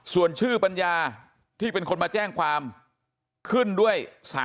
ส่วนชื่อปัญญาที่เป็นคนมาแจ้งความขึ้นด้วย